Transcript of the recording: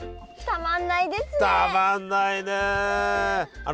たまんないね！